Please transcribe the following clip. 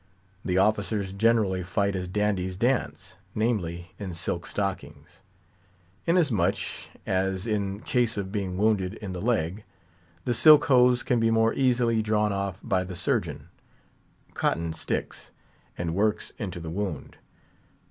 The officers generally fight as dandies dance, namely, in silk stockings; inasmuch as, in case of being wounded in the leg, the silk hose can be more easily drawn off by the Surgeon; cotton sticks, and works into the wound.